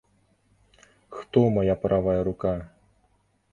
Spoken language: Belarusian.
Хто мая правая рука?